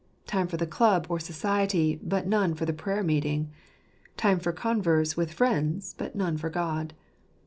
Time for the club or society, but none for the prayer meeting. Time for converse with friends, but none for God.